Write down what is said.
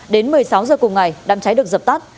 đến một mươi sáu h cùng ngày đám cháy được dập tắt